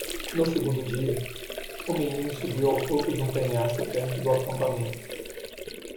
No segundo dia?, o menino subiu ao topo de um penhasco perto do acampamento.